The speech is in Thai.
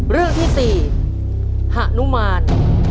เรื่องที่๔หานุมาน